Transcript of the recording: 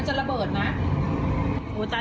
ตำรวจออกไม่อยู่แล้ว